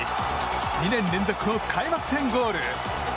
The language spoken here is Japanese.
２年連続開幕戦ゴール。